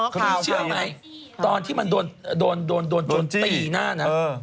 คุณเชื่อไหมตอนที่มันโดนโดนตีหน้านะ